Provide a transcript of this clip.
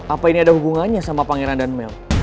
apa ini ada hubungannya sama pangeran dan mel